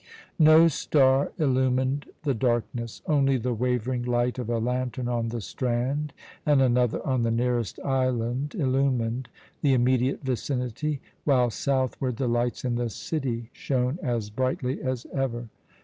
No star illumined the darkness. Only the wavering light of a lantern on the strand and another on the nearest island illumined the immediate vicinity, while southward the lights in the city shone as brightly as ever.